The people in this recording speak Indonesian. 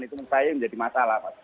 itu menurut saya menjadi masalah